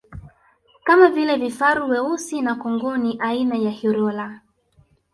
Kama vile vifaru weusi na kongoni aina ya Hirola